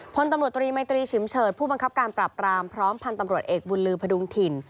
พลตำรวจตรีมัยตรีชิมเฉิดผู้บังคับการปราบรามพร้อมพันธ์ตำรวจเอกบุญลือพดุงถิ่น